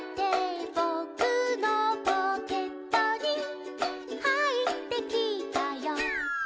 「ぼくのポケットにはいってきたよ」